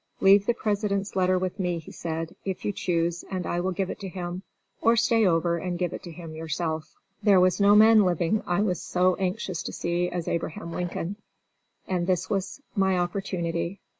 "Leave the President's letter with me," he said, "if you choose, and I will give it to him, or stay over and give it to him yourself." There was no man living I was so anxious to see as Abraham Lincoln. And this was my opportunity.